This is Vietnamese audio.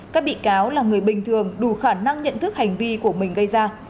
các bị cáo là người bình thường đủ khả năng nhận thức hành vi của mình gây ra